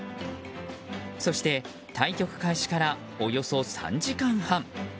そして、対局開始からおよそ３時間半。